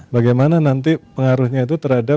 bagaimana nanti pengaruhnya itu terhadap